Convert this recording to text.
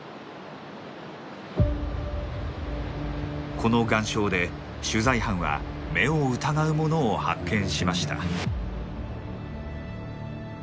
この岩礁で取材班は目を疑うものを発見しました。